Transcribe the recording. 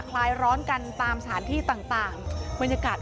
คลายร้อนกันตามสถานที่ต่างบรรยากาศ